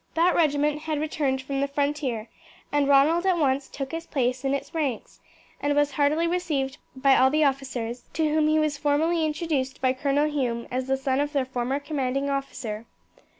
That regiment had returned from the frontier, and Ronald at once took his place in its ranks, and was heartily received by all the officers, to whom he was formally introduced by Colonel Hume as the son of their former commanding officer.